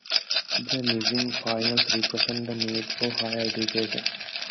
The missing finials represent the need for higher education.